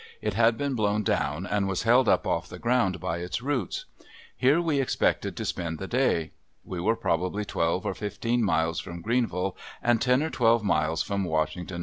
It had been blown down and was held up off the ground by its roots. Here we expected to spend the day. We were probably twelve or fifteen miles from Greenville and ten or twelve miles from Washington, N.